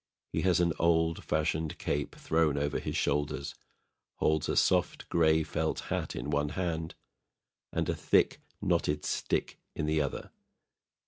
He has an old fashioned cape thrown over his shoulders, holds a soft grey felt hat in one hand and a thick knotted stick in the other.